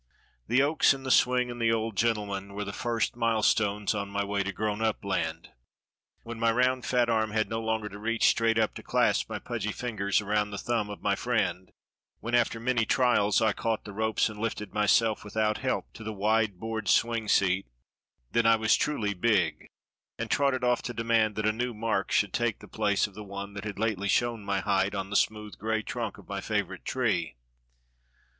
The oaks and the swing and the old gentleman were the first milestones on my way to Grown Up Land. When my round fat arm had no longer to reach straight up to clasp my pudgy fingers around the thumb of my friend; when after many trials I caught the ropes and lifted myself without help to the wide board swing seat; then I was truly 'big,' and trotted off to demand that a new mark should take the place of the one that had lately shown my height on the smooth gray trunk of my favorite tree.